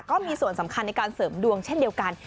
ก็มีส่วนสำคัญในการเสริมดวงเช่นเดียวกัน